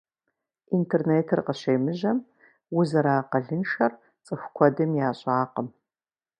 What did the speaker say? Интернетыр къыщемыжьэм, узэрыакъылыншэр цӏыху куэдым ящӏакъым.